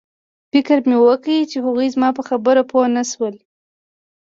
فکر مې وکړ چې هغوی زما په خبره پوه نشول